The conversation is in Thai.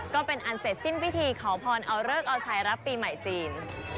ก็เป็นอันเสร็จสิ้นพิธีขอพรเอาเลิกเอาชัยรับปีใหม่จีน